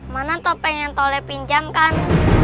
mana topeng yang tolek pinjamkan